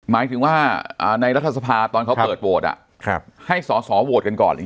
หมายถึงว่าในรัฐสภาตอนเขาเปิดโหวตให้สอสอโหวตกันก่อน